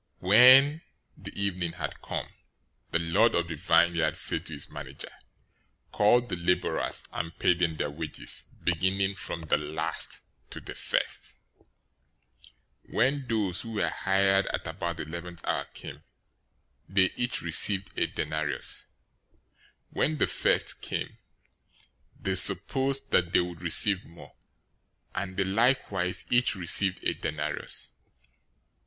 020:008 When evening had come, the lord of the vineyard said to his manager, 'Call the laborers and pay them their wages, beginning from the last to the first.' 020:009 "When those who were hired at about the eleventh hour came, they each received a denarius. 020:010 When the first came, they supposed that they would receive more; and they likewise each received a denarius.